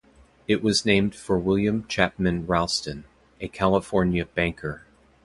It was named for William Chapman Ralston, a California banker.